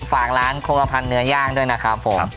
ฝากร้านโครพันธ์เนื้อย่างด้วยนะครับผม